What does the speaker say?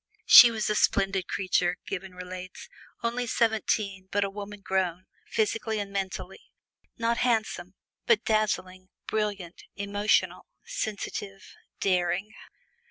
"She was a splendid creature," Gibbon relates; "only seventeen, but a woman grown, physically and mentally; not handsome, but dazzling, brilliant, emotional, sensitive, daring!"